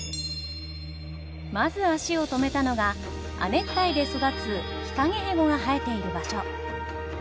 まず足を止めたのが亜熱帯で育つヒカゲヘゴが生えている場所。